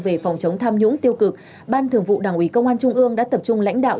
về phòng chống tham nhũng tiêu cực ban thường vụ đảng ủy công an trung ương đã tập trung lãnh đạo